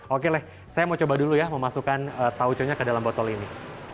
oke lah saya mau coba dulu ya memasukkan tauconya ke dalam botol ini